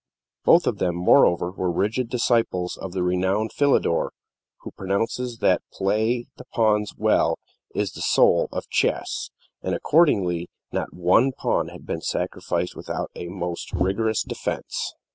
Both of them, moreover, were rigid disciples of the renowned Philidor, who pronounces that to play the pawns well is "the soul of chess"; and, accordingly, not one pawn had been sacrificed without a most vigorous defense.